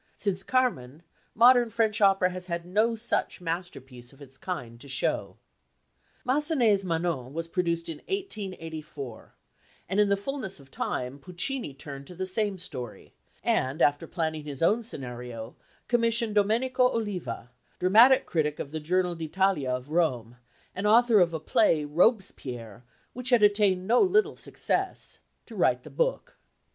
Since Carmen modern French opera has no such masterpiece of its kind to show. Massenet's Manon was produced in 1884, and in the fulness of time Puccini turned to the same story, and after planning his own scenario, commissioned Domenico Oliva dramatic critic of the Journal d'Italia of Rome, and author of a play Robespierre which had attained no little success to write the "book."